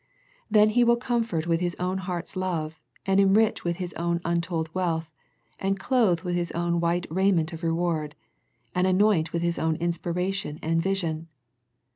Then He will comfort with His own heart's love, and enrich with His own untold wealth, and clothe with His own white raiment of reward ; and anoint with His own inspiration and vision.